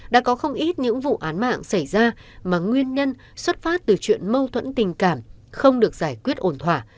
đã có không ít những vụ án mạng xảy ra mà nguyên nhân xuất phát từ chuyện mâu thuẫn tình cảm không được giải quyết ổn thỏa